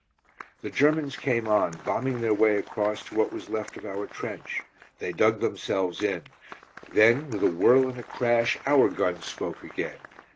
The Germans came on, bombing their way across to what was left of our trench. They dug themselves in. Then with a whirl and a crash, our guns spoke again.